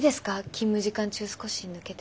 勤務時間中少し抜けても。